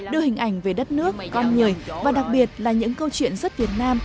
đưa hình ảnh về đất nước con người và đặc biệt là những câu chuyện rất việt nam